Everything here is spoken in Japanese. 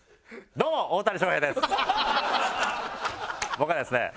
僕はですね